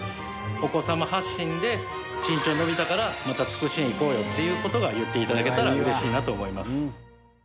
お子様発信で「身長伸びたからまた土筆苑行こうよ」っていう事が言って頂けたら嬉しいなと思います。